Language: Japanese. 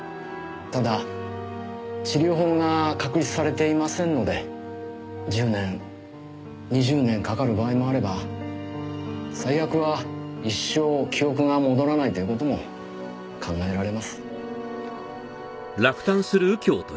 ただ治療法が確立されていませんので１０年２０年かかる場合もあれば最悪は一生記憶が戻らないという事も考えられます。